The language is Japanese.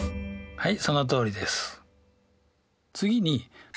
はい。